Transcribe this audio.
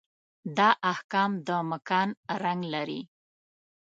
دا احکام د مکان رنګ لري.